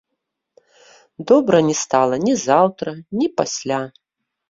Добра не стала ні заўтра, ні пасля.